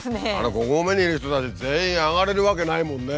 五合目にいる人たち全員上がれるわけないもんね。